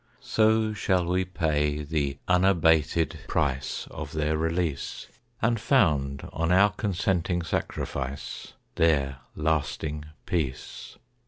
So shall we pay the unabated price Of their release, And found on our consenting sacrifice Their lasting peace.